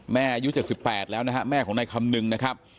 อายุ๗๘แล้วนะฮะแม่ของนายคำนึงนะครับ